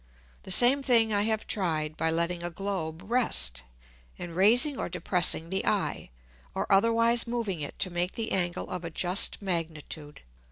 The same thing I have tried, by letting a Globe rest, and raising or depressing the Eye, or otherwise moving it to make the Angle of a just magnitude.